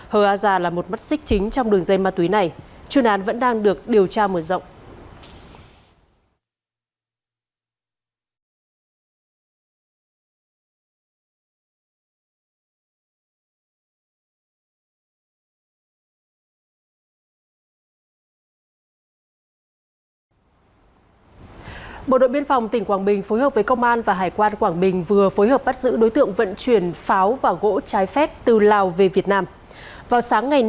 hờ a già là một mắt xích chính trong đường dây ma túy này truyền án vẫn đang được điều tra mở rộng